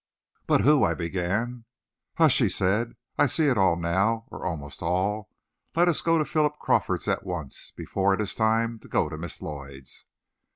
"But who " I began. "Hush," he said, "I see it all now or almost all. Let us go to Philip Crawford's at once before it is time to go to Miss Lloyd's."